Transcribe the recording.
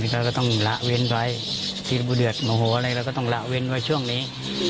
พระองค์ก็ต้องหละเว้นไปทีมีปูเดือดงงโหอะไรเราก็ต้องหละเว้นไปช่วงนี้